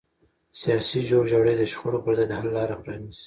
سیاسي جوړجاړی د شخړو پر ځای د حل لاره پرانیزي